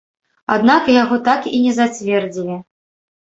Аднак, яго так і не зацвердзілі.